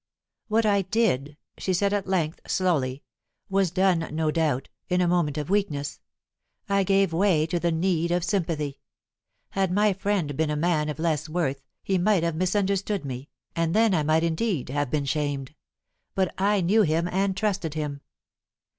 "What I did," she said at length slowly, "was done, no doubt, in a moment of weakness; I gave way to the need of sympathy. Had my friend been a man of less worth, he might have misunderstood me, and then I might indeed have been shamed. But I knew him and trusted him."